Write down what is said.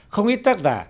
không ít tác giả